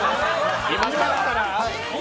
今から？